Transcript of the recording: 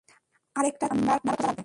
আরেকটা তিন নাম্বার পার্টনারও খোঁজা লাগবে।